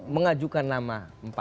mengajukan nama empat